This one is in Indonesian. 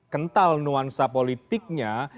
kental nuansa politiknya